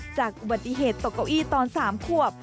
จากอุบัติเหตุตกเก้าอี้ตอน๓ขวบ